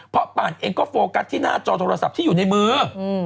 เพราะป่านเองก็โฟกัสที่หน้าจอโทรศัพท์ที่อยู่ในมือ